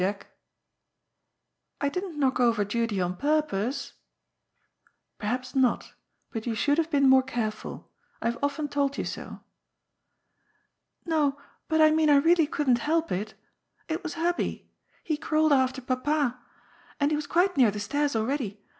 Jack?" " I didn't knock over Judy on purpose." " Perhaps not But you should have been more careful. I have often told you so." " No, but I mean I really couldn't help it It was Hub bie. He crawled after Papa. And he was quite near the stairs already.